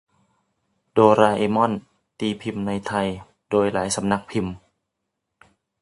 โดราเอมอน ตีพิมพ์ในไทยโดยหลายสำนักพิมพ์